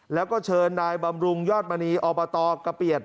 แล้วก็เชิญนายบำรุงยอดมณีอบตกะเปียด